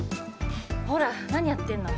ほらなにやってんの？